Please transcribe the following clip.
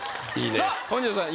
さあ本上さん